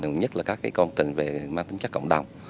đồng nhất là các công trình về máy tính chất cộng đồng